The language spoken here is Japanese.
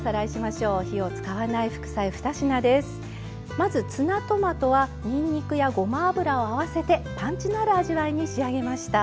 まずツナトマトはにんにくやごま油を合わせてパンチのある味わいに仕上げました。